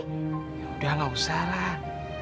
yaudah gak usah lah